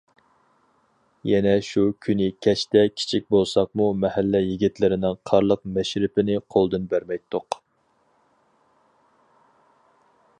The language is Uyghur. يەنە شۇ كۈنى كەچتە كىچىك بولساقمۇ مەھەللە يىگىتلىرىنىڭ قارلىق مەشرىپىنى قولدىن بەرمەيتتۇق.